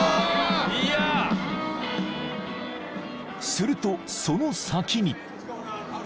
［するとその先に］